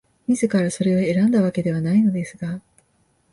自らそれを選んだわけではないのですが、